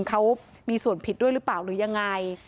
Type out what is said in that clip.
เขามีส่วนผิดด้วยหรือเปล่าหรือยังไง